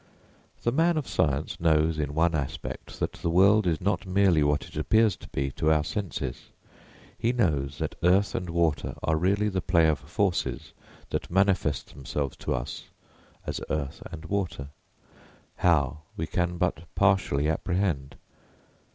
The man of science knows, in one aspect, that the world is not merely what it appears to be to our senses; he knows that earth and water are really the play of forces that manifest themselves to us as earth and water how, we can but partially apprehend.